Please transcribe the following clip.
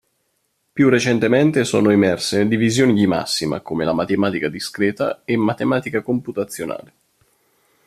Più recentemente sono emerse divisioni di massima, come la matematica discreta e matematica computazionale.